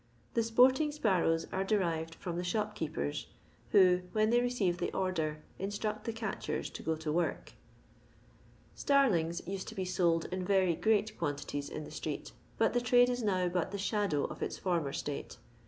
The sporting sparrows are derived from the shopkeepers, who^ when they receive the order, instract the calehen to go to work. Starlingt used to be sold in very great qnanti ties in the streeu, but the trade is now bnt the shadow of its former state.